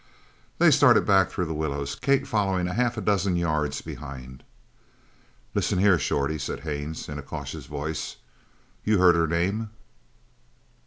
They started back through the willows, Kate following half a dozen yards behind. "Listen here, Shorty," said Haines in a cautious voice. "You heard her name?"